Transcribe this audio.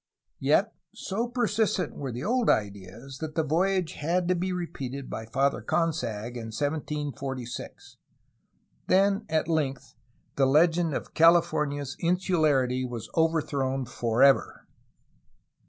Yet, so persistent were the old ideas, that the voyage had to be repeated by Father Consag in 1746. Then, at length, the legend of California's insularity was overthrown forever.